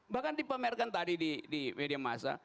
bahkan dipamerkan tadi di media masa